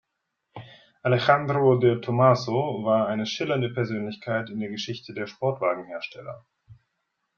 Alejandro de Tomaso war eine schillernde Persönlichkeit in der Geschichte der Sportwagenhersteller.